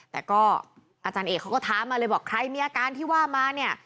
แต่ก็อาจารย์เอกเขาก็ท้ามาเลยบอกใครมีอาการที่ว่ามาเนี่ย